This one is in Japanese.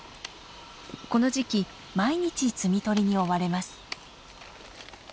この時期毎日摘み取りに追われます。